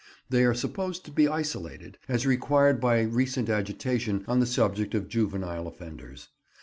They are supposed to be isolated, as required by recent agitation on the subject of juvenile offenders.